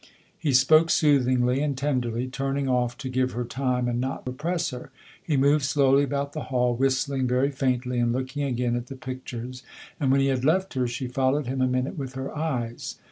" He spoke soothingly and tenderly, turning off to give her time and not oppress her. He moved slowly about the hall, whistling very faintly and looking again at the pictures, and when he had left her she followed him a minute with her eyes.